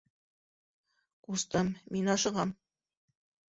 Ҡустым, мин ашығам.